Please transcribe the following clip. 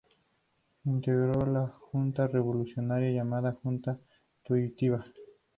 Integró la junta revolucionaria, llamada Junta Tuitiva.